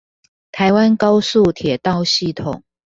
台灣高速鐵道系統